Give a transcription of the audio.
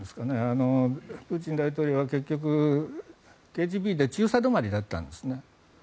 プーチン大統領は結局ＫＧＢで中佐どまりだったんです。